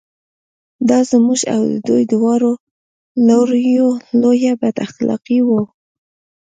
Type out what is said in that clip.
دا زموږ او د دوی دواړو لوریو لویه بد اخلاقي وه.